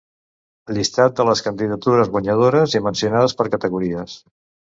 Llistat de les candidatures guanyadores i mencionades per categories.